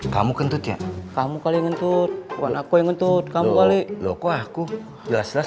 kamu kentut ya kamu kali ngetut warna kue ngetut kamu kali loku aku jelas jelas